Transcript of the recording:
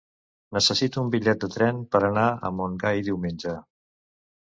Necessito un bitllet de tren per anar a Montgai diumenge.